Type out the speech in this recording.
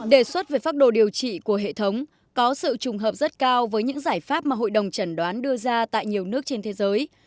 đề xuất về pháp đồ điều trị của hệ thống có sự trùng hợp rất cao với những giải pháp mà hội đồng trần đoán đưa ra tại nhiều nước trên thế giới